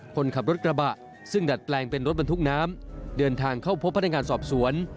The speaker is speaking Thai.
คนขับรถกระบะซึ่งดัดแปลงเป็นรถบรรทุกน้ำเดินทางเข้าพบพนักงานสอบสวน